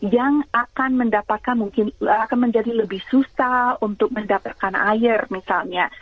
yang akan menjadi lebih susah untuk mendapatkan air misalnya